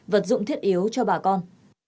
vật dụng thiết yếu cho bà con